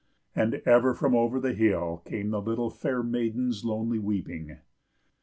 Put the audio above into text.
And ever from over the hill came the little fair maiden's lonely weeping.